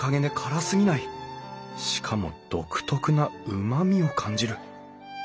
しかも独特なうまみを感じる。